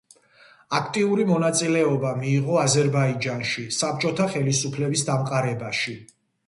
აქტიური მონაწილეობა მიიღო აზერბაიჯანში საბჭოთა ხელისუფლების დამყარებაში.